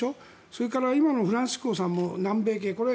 それから今のフランシスコさんも南米系。